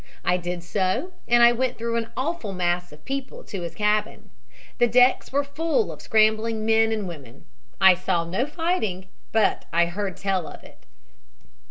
I did so, and I went through an awful mass of people to his cabin. The decks were full of scrambling men and women. I saw no fighting, but I heard tell of it.